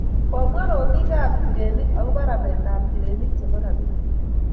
komwa romikab nchirenik akobo ramekab nchirenik chebo robinik.